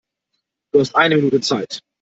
Du hast eine Minute Zeit.